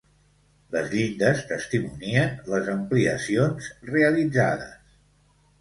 Les llindes testimonien les ampliacions realitzades.